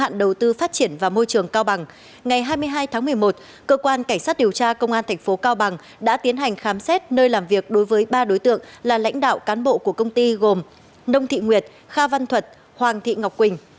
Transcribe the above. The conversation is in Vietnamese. ngày hai mươi hai tháng một mươi một cơ quan cảnh sát điều tra công an tp cao bằng đã tiến hành khám xét nơi làm việc đối với ba đối tượng là lãnh đạo cán bộ của công ty gồm nông thị nguyệt kha văn thuật hoàng thị ngọc quỳnh